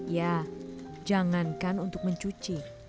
ya jangankan untuk mencuci